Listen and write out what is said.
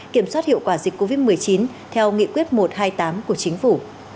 kiểm soát hiệu quả dịch covid một mươi chín theo nghị quyết một trăm hai mươi tám của chính phủ